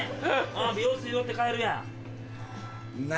美容室寄って帰るやん。